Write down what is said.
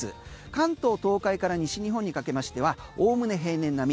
関東、東海から西日本にかけましては概ね平年並み。